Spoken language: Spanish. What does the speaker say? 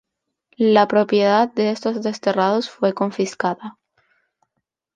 La propiedad de estos desterrados fue confiscada.